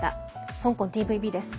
香港ＴＶＢです。